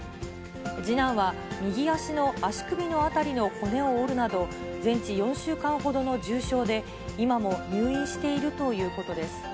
次男は右足の足首の辺りの骨を折るなど、全治４週間ほどの重症で、今も入院しているということです。